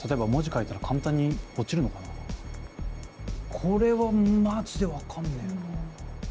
これはマジで分かんねえな。